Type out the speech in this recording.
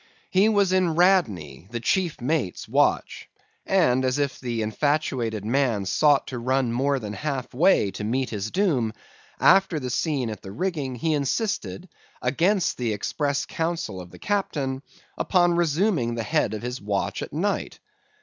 He was in Radney the chief mate's watch; and as if the infatuated man sought to run more than half way to meet his doom, after the scene at the rigging, he insisted, against the express counsel of the captain, upon resuming the head of his watch at night.